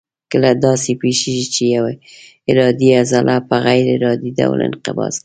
کله داسې پېښېږي چې یوه ارادي عضله په غیر ارادي ډول انقباض کوي.